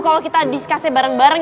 kalau kita discusnya bareng bareng